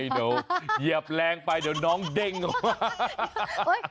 เดี๋ยวเหยียบแรงไปเดี๋ยวน้องเด้งออกมา